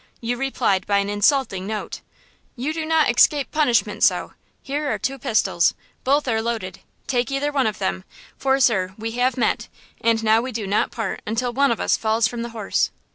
You replied by an insulting note. You do not escape punishment so! Here are two pistols; both are loaded; take either one of them; for, sir, we have met, and now we do not part until one of us falls from the horse!"